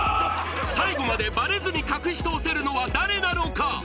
最後までバレずに隠し通せるのは誰なのか？